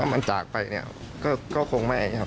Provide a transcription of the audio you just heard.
ว่ามันจากไปเนี้ยก็ก็คงไม่ต้อง